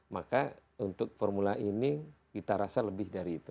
maka untuk formula ini kita rasa lebih dari itu